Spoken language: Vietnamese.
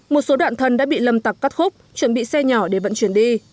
một số đoạn thân đã bị lâm tặc cắt khúc chuẩn bị xe nhỏ để vận chuyển đi